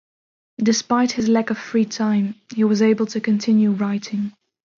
Despite his lack of free time, he was able to continue writing.